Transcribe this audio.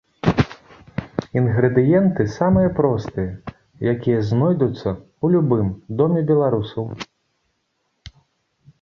Інгрэдыенты самыя простыя, якія знойдуцца ў любым доме беларусаў.